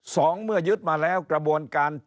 สองเมื่อยึดมาแล้วกระบวนการ